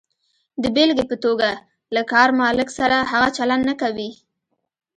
د بېلګې په توګه، له کار مالک سره هغه چلند نه کوئ.